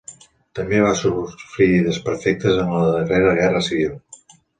També va sofrir desperfectes en la darrera guerra civil.